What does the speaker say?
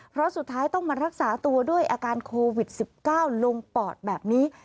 เพราะสุดท้ายต้องมารักษาตัวด้วยอาการโควิด๑๙ลงปอดแบบนี้